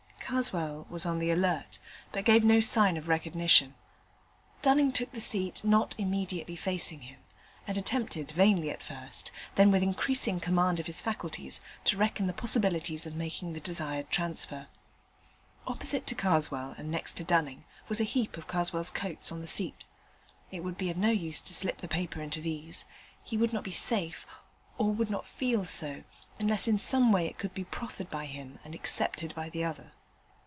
Karswell was on the alert, but gave no sign of recognition. Dunning took the seat not immediately facing him, and attempted, vainly at first, then with increasing command of his faculties, to reckon the possibilities of making the desired transfer. Opposite to Karswell, and next to Dunning, was a heap of Karswell's coats on the seat. It would be of no use to slip the paper into these he would not be safe, or would not feel so, unless in some way it could be proffered by him and accepted by the other.